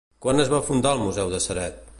Quan es va fundar el museu de Ceret?